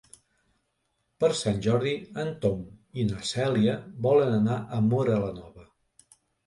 Per Sant Jordi en Tom i na Cèlia volen anar a Móra la Nova.